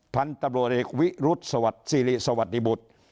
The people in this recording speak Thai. พันธุ์ตำรวจเอกวิรุธสวัสดีบุตร